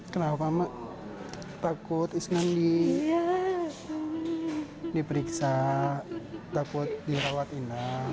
kenapa mak takut isnan diperiksa takut dirawat inap